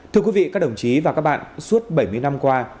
thưa quý vị các đồng chí và các bạn suốt bảy mươi năm qua